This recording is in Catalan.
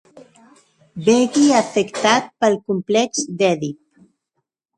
Begui afectat pel complex d'Èdip.